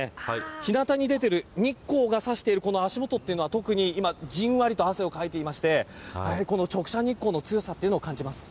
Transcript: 日なたに出ている日光が差している足元は特にじんわりと汗をかいていましてこの直射日光の強さを感じます。